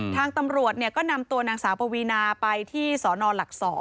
ทางตำรวจก็นำตัวนางสาวปวีนาไปที่สนหลัก๒